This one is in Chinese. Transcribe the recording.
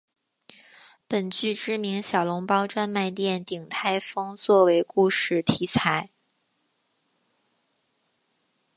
本剧知名小笼包专卖店鼎泰丰做为故事题材。